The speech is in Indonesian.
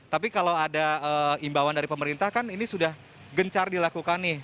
tapi kalau ada imbauan dari pemerintah kan ini sudah gencar dilakukan nih